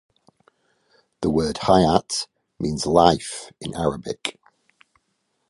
The word, "Hayat", means "life" in Arabic.